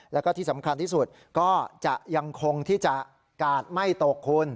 แล้วก็ที่สำคัญที่สุดก็จะยังคงที่จะกาดไม่ตกคุณ